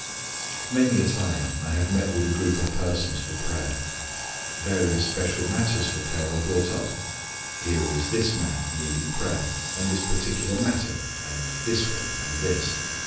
Many a time I have met with a group of persons for prayer. Various special matters for prayer are brought up. Here is this man, needing prayer, and this particular matter, and this one, and this.